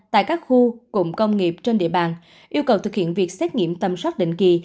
tại các khu cụm công nghiệp trên địa bàn yêu cầu thực hiện việc xét nghiệm tầm soát định kỳ